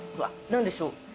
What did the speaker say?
何でしょう